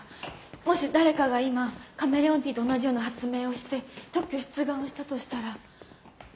もし誰かが今カメレオンティーと同じような発明をして特許出願をしたとしたら。